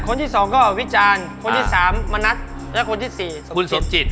คนที่สองก็วิจารณ์คนที่สามมณัฐและคนที่๔คุณสมจิต